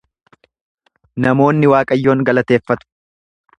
Namoonni Waaqayyoon galateeffatu.